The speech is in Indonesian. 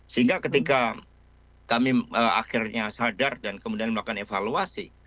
sehingga ketika kami akhirnya sadar dan kemudian melakukan evaluasi